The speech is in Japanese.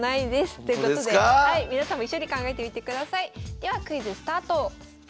ではクイズスタート。